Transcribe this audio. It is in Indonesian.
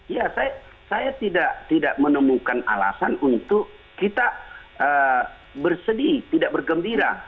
ya saya tidak menemukan alasan untuk kita bersedih tidak bergembira